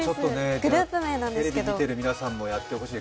テレビ見てる皆さんもやってほしい。